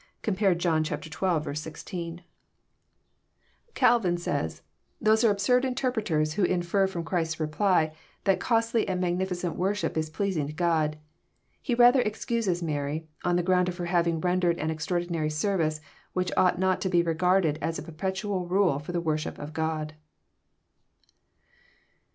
(Compare John xii. 16.) JOHN, CHAP. XII. 319 Calvin says :*' Those are absurd interpreters who infer from Christ's reply, that costly and magnificent worship is pleasing to God. He rather excuses Mary, on the ground of her having rendered an extraordinary service, which ought not to be regard ed as a perpetual rule for the worship of God."